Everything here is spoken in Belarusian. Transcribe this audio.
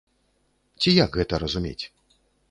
Ці як гэта разумець?